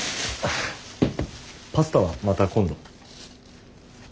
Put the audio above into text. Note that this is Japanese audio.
パスタはまた今度。